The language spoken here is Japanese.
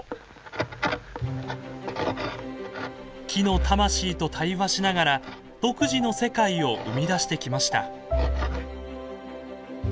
木の魂と対話しながら独自の世界を生み出してきました。